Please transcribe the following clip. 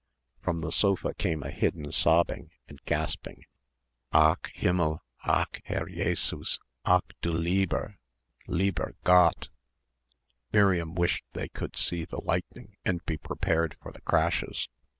From the sofa came a hidden sobbing and gasping. "Ach Himmel! Ach Herr Jé sus! Ach du lie ber, lie ber Gott!" Miriam wished they could see the lightning and be prepared for the crashes.